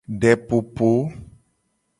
Depopo.